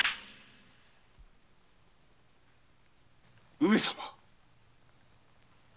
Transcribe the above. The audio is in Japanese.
上様。